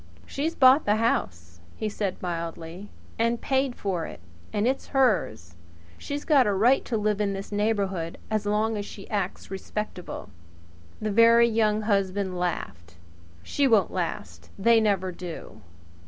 "She's bought the house," he said mildly, "and paid for it. And it's hers. She's got a right to live in this neighbourhood as long as she acts respectable." The Very Young Husband laughed. "She won't last! They never do."